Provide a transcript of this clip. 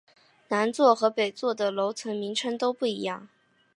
南座和北座的楼层名称都不一样。